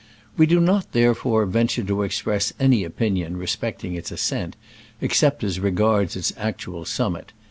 We do not, therefore, venture to express any opinion respect ing its ascent, except as regards its actual summit.